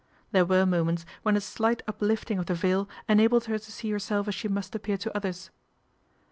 There were moments when a slight uplifting of the veil enabled her to see herself as she must appear to others.